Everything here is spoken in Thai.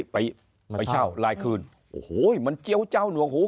ไปไปเช่ารายคืนโอ้โหมันเจี๊ยวเจ้าหนวกหู